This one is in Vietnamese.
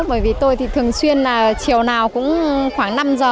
bởi vì tôi thì thường xuyên là chiều nào cũng khoảng năm giờ